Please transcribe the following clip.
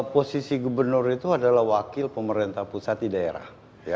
posisi gubernur itu adalah wakil pemerintah pusat di daerah